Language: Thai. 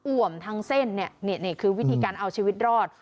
่วมทั้งเส้นเนี่ยนี่คือวิธีการเอาชีวิตรอด